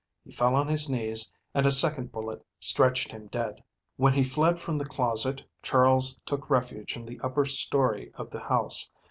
He fell on his knees and a second bullet stretched him dead. When he fled from the closet Charles took refuge in the upper story of the house.